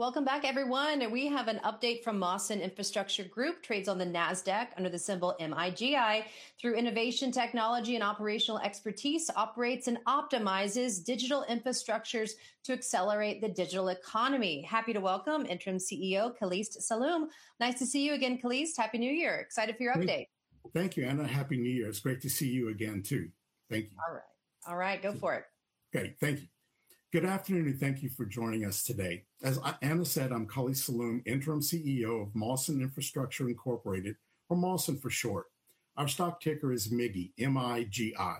Welcome back, everyone. We have an update from Mawson Infrastructure Group. Trades on the Nasdaq under the symbol MIGI. Through innovation, technology, and operational expertise, operates and optimizes digital infrastructures to accelerate the digital economy. Happy to welcome Interim CEO Kalist Saloom. Nice to see you again, Kalist. Happy New Year. Excited for your update. Thank you, Anna. Happy New Year. It's great to see you again, too. Thank you. All right. All right. Go for it. Okay. Thank you. Good afternoon, and thank you for joining us today. As Anna said, I'm Kalist Saloom, Interim CEO of Mawson Infrastructure Group, or Mawson for short. Our stock ticker is MIGI, M-I-G-I.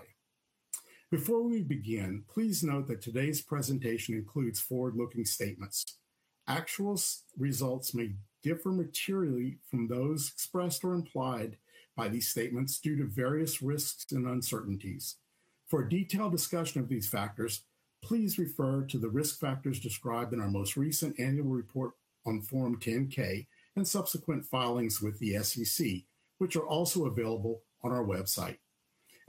Before we begin, please note that today's presentation includes forward-looking statements. Actual results may differ materially from those expressed or implied by these statements due to various risks and uncertainties. For a detailed discussion of these factors, please refer to the risk factors described in our most recent annual report on Form 10-K and subsequent filings with the SEC, which are also available on our website.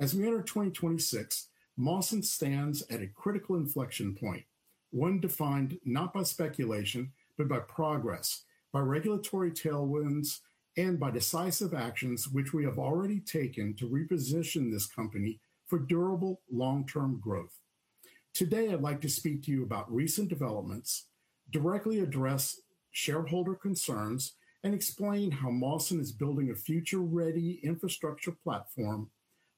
As we enter 2026, Mawson stands at a critical inflection point, one defined not by speculation, but by progress, by regulatory tailwinds, and by decisive actions which we have already taken to reposition this company for durable, long-term growth. Today, I'd like to speak to you about recent developments, directly address shareholder concerns, and explain how Mawson is building a future-ready infrastructure platform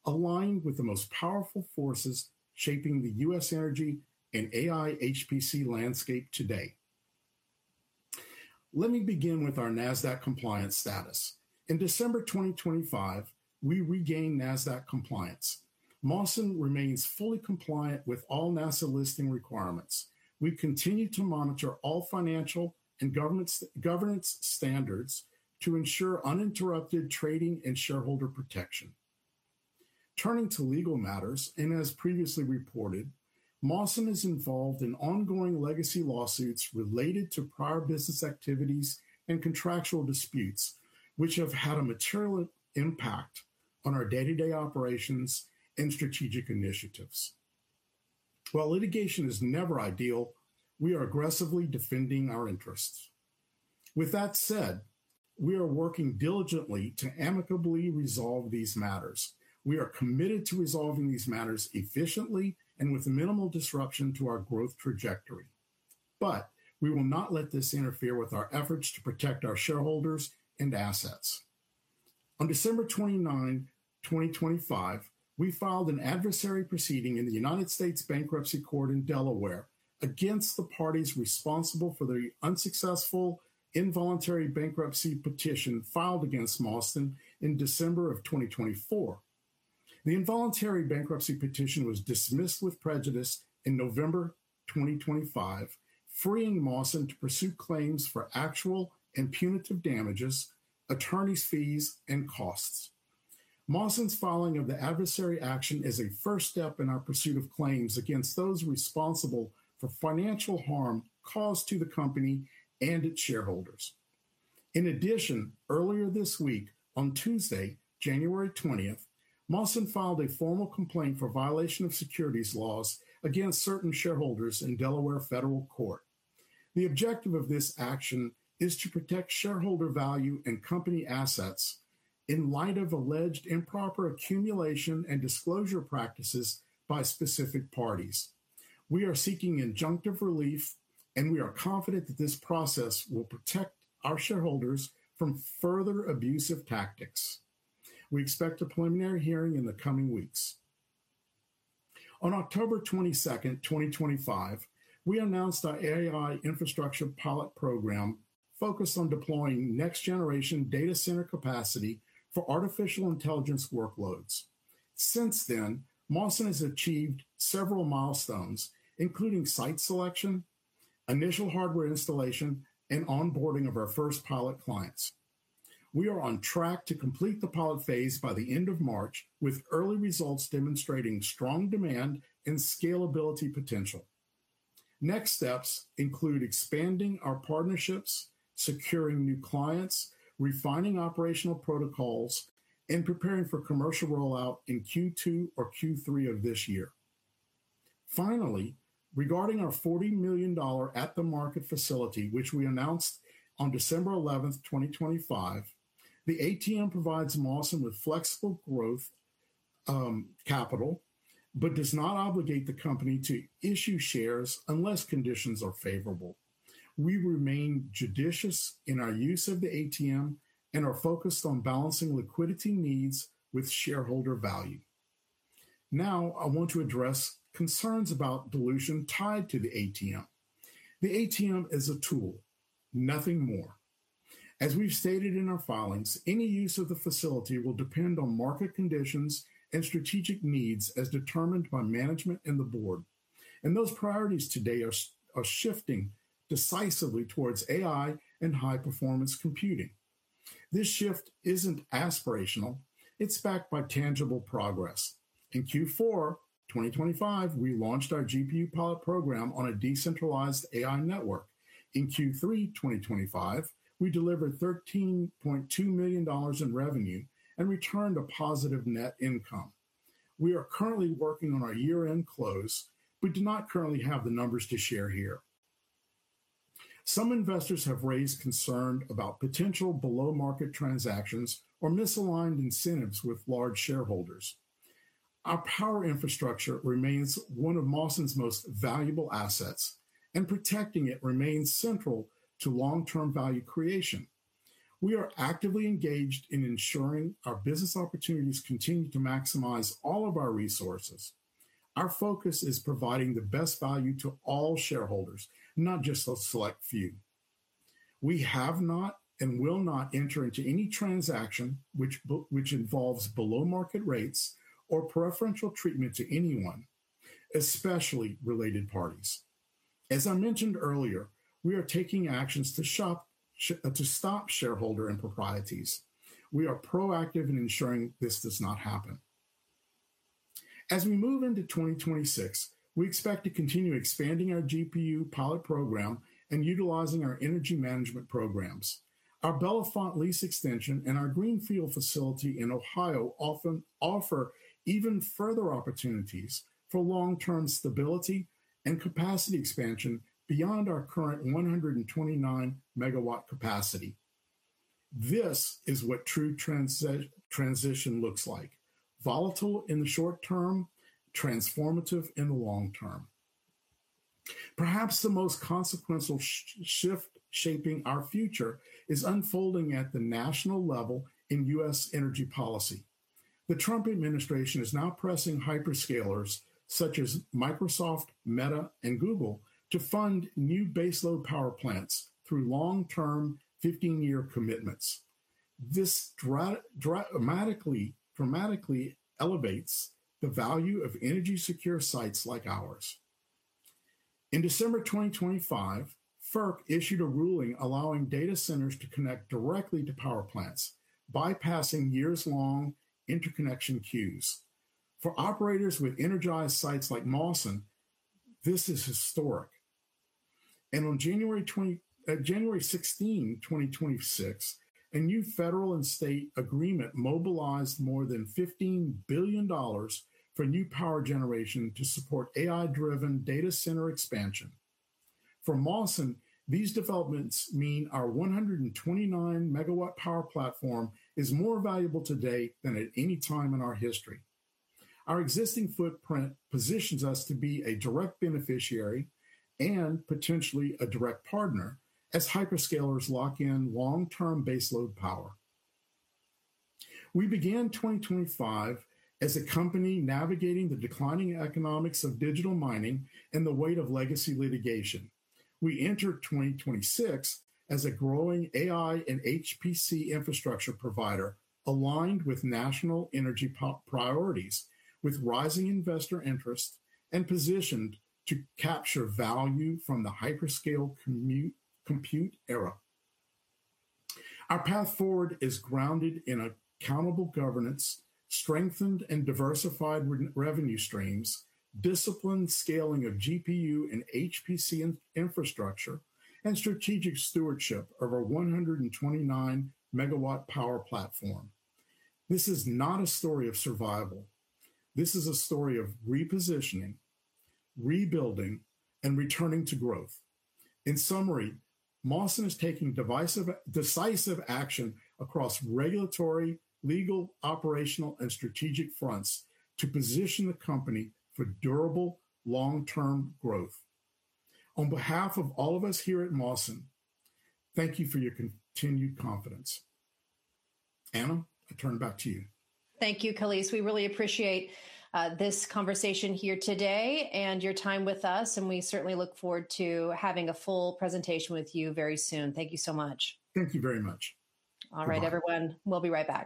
aligned with the most powerful forces shaping the U.S. energy and AI HPC landscape today. Let me begin with our Nasdaq compliance status. In December 2025, we regained Nasdaq compliance. Mawson remains fully compliant with all Nasdaq listing requirements. We continue to monitor all financial and governance standards to ensure uninterrupted trading and shareholder protection. Turning to legal matters, and as previously reported, Mawson is involved in ongoing legacy lawsuits related to prior business activities and contractual disputes, which have had a material impact on our day-to-day operations and strategic initiatives. While litigation is never ideal, we are aggressively defending our interests. With that said, we are working diligently to amicably resolve these matters. We are committed to resolving these matters efficiently and with minimal disruption to our growth trajectory. But we will not let this interfere with our efforts to protect our shareholders and assets. On December 29, 2025, we filed an adversary proceeding in the United States Bankruptcy Court in Delaware against the parties responsible for the unsuccessful involuntary bankruptcy petition filed against Mawson in December of 2024. The involuntary bankruptcy petition was dismissed with prejudice in November 2025, freeing Mawson to pursue claims for actual and punitive damages, attorney's fees, and costs. Mawson's filing of the adversary action is a first step in our pursuit of claims against those responsible for financial harm caused to the company and its shareholders. In addition, earlier this week, on Tuesday, January 20, Mawson filed a formal complaint for violation of securities laws against certain shareholders in Delaware Federal Court. The objective of this action is to protect shareholder value and company assets in light of alleged improper accumulation and disclosure practices by specific parties. We are seeking injunctive relief, and we are confident that this process will protect our shareholders from further abusive tactics. We expect a preliminary hearing in the coming weeks. On October 22, 2025, we announced our AI infrastructure pilot program focused on deploying next-generation data center capacity for artificial intelligence workloads. Since then, Mawson has achieved several milestones, including site selection, initial hardware installation, and onboarding of our first pilot clients. We are on track to complete the pilot phase by the end of March, with early results demonstrating strong demand and scalability potential. Next steps include expanding our partnerships, securing new clients, refining operational protocols, and preparing for commercial rollout in Q2 or Q3 of this year. Finally, regarding our $40 million at-the-market facility, which we announced on December 11, 2025, the ATM provides Mawson with flexible growth capital but does not obligate the company to issue shares unless conditions are favorable. We remain judicious in our use of the ATM and are focused on balancing liquidity needs with shareholder value. Now, I want to address concerns about dilution tied to the ATM. The ATM is a tool, nothing more. As we've stated in our filings, any use of the facility will depend on market conditions and strategic needs as determined by management and the board. And those priorities today are shifting decisively towards AI and high-performance computing. This shift isn't aspirational. It's backed by tangible progress. In Q4 2025, we launched our GPU pilot program on a decentralized AI network. In Q3 2025, we delivered $13.2 million in revenue and returned a positive net income. We are currently working on our year-end close, but do not currently have the numbers to share here. Some investors have raised concern about potential below-market transactions or misaligned incentives with large shareholders. Our power infrastructure remains one of Mawson's most valuable assets, and protecting it remains central to long-term value creation. We are actively engaged in ensuring our business opportunities continue to maximize all of our resources. Our focus is providing the best value to all shareholders, not just a select few. We have not and will not enter into any transaction which involves below-market rates or preferential treatment to anyone, especially related parties. As I mentioned earlier, we are taking actions to stop shareholder improprieties. We are proactive in ensuring this does not happen. As we move into 2026, we expect to continue expanding our GPU pilot program and utilizing our energy management programs. Our Bellefonte lease extension and our greenfield facility in Ohio often offer even further opportunities for long-term stability and capacity expansion beyond our current 129-megawatt capacity. This is what true transition looks like: volatile in the short term, transformative in the long term. Perhaps the most consequential shift shaping our future is unfolding at the national level in U.S. energy policy. The Trump administration is now pressing hyperscalers such as Microsoft, Meta, and Google to fund new baseload power plants through long-term 15-year commitments. This dramatically elevates the value of energy-secure sites like ours. In December 2025, FERC issued a ruling allowing data centers to connect directly to power plants, bypassing years-long interconnection queues. For operators with energized sites like Mawson, this is historic. On January 16, 2026, a new federal and state agreement mobilized more than $15 billion for new power generation to support AI-driven data center expansion. For Mawson, these developments mean our 129-megawatt power platform is more valuable today than at any time in our history. Our existing footprint positions us to be a direct beneficiary and potentially a direct partner as hyperscalers lock in long-term baseload power. We began 2025 as a company navigating the declining economics of digital mining and the weight of legacy litigation. We enter 2026 as a growing AI and HPC infrastructure provider aligned with national energy priorities, with rising investor interest and positioned to capture value from the hyperscale compute era. Our path forward is grounded in accountable governance, strengthened and diversified revenue streams, disciplined scaling of GPU and HPC infrastructure, and strategic stewardship over a 129-megawatt power platform. This is not a story of survival. This is a story of repositioning, rebuilding, and returning to growth. In summary, Mawson is taking decisive action across regulatory, legal, operational, and strategic fronts to position the company for durable, long-term growth. On behalf of all of us here at Mawson, thank you for your continued confidence. Anna, I turn it back to you. Thank you, Kalist. We really appreciate this conversation here today and your time with us, and we certainly look forward to having a full presentation with you very soon. Thank you so much. Thank you very much. All right, everyone. We'll be right back.